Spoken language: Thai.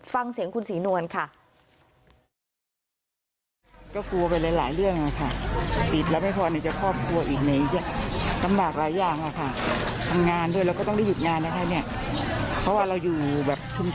ฟังเสียงคุณศรีนวลค่ะ